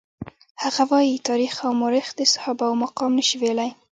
هغه وايي تاریخ او مورخ د صحابه وو مقام نشي ویلای.